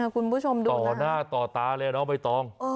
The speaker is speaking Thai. คุณผู้ชมดูนะต่อหน้าต่อตาเลยเนอะไม่ต้อง